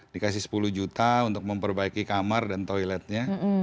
dikasih sepuluh juta untuk memperbaiki kamar dan toiletnya